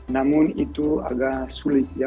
namun itu agak sulit untuk mengembalikan